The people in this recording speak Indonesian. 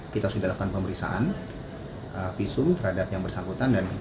kita sudah lakukan pemeriksaan visum terhadap yang bersangkutan